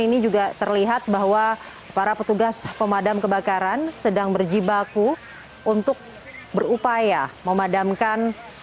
ini juga terlihat bahwa para petugas pemadam kebakaran sedang berjibaku untuk berupaya memadamkan